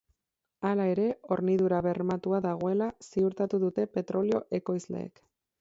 Hala ere, hornidura bermatuta dagoela ziurtatu dute petrolio ekoizleek.